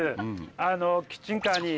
あのキッチンカーに。